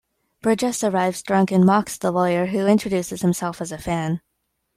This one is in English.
Burgess arrives drunk and mocks the lawyer, who introduces himself as a fan.